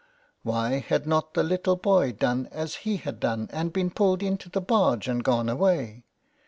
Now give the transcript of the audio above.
Why had not the little boy done as he had done, and been pulled into the barge and gone away.